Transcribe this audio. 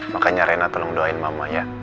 makanya rena tolong doain mama ya